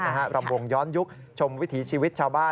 รำวงย้อนยุคชมวิถีชีวิตชาวบ้าน